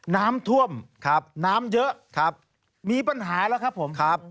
น้ำท่วมครับน้ำเยอะครับมีปัญหาแล้วครับผมครับ